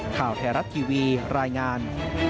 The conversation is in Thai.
ข่าวไทยรัฐทีวีรายงาน